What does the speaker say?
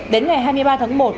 đến ngày hai mươi ba tháng một